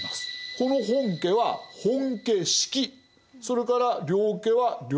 この本家は本家職それから領家は領家職